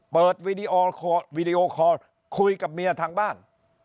วีดีโอคอร์คุยกับเมียทางบ้าน